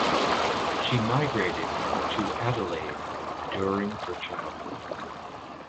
She migrated to Adelaide during her childhood.